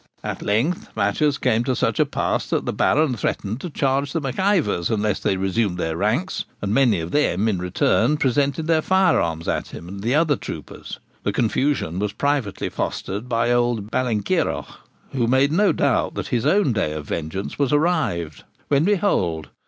At length matters came to such a pass that the Baron threatened to charge the Mac Ivors unless they resumed their ranks, and many of them, in return, presented their firearms at him and the other troopers. The confusion was privately fostered by old Ballenkeiroch, who made no doubt that his own day of vengeance was arrived, when, behold!